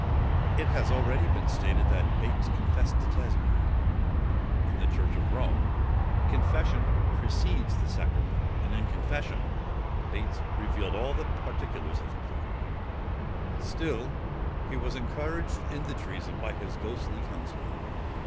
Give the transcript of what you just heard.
It has been already stated, that Bates confessed to Tesmond. In the church of Rome, confession precedes the sacrament; and in confession, Bates revealed all the particulars of the plot; still he was encouraged in the treason by his ghostly counsellor.